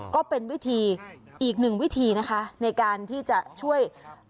ก็เป็นวิธีอีกหนึ่งวิธีนะคะในการที่จะช่วย